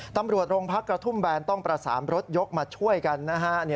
ตำรวจโรงพักกระทุ่มแบนต้องประสานรถยกมาช่วยกันนะฮะ